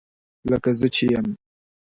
لکه زه چې یم